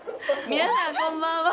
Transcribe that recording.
皆さんこんばんは。